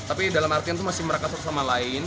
tapi dalam artian tuh masih merakas bersama lain